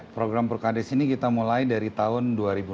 program perkades ini kita mulai dari tahun dua ribu enam belas